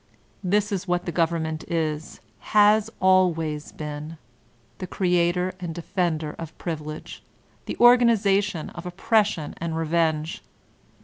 This is what the government is» has always been, the creator and defender of privilege ; the organization of oppression and revenge.